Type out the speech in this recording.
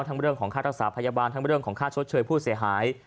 ทั้งเมื่อเรื่องของค่ารักษาพยาบาลทั้งเมื่อเรื่องของค่าชดเชยผู้เสียหาย